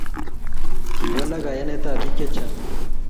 Kiwalak kayanetab bik chechang